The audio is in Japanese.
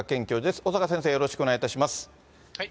小坂先生、よろしくお願いいたします。